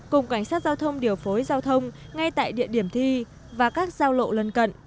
cùng cảnh sát giao thông điều phối giao thông ngay tại địa điểm thi và các giao lộ lân cận